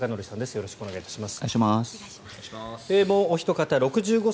よろしくお願いします。